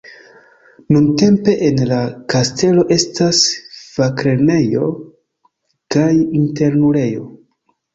Nuntempe en la kastelo estas faklernejo kaj internulejo.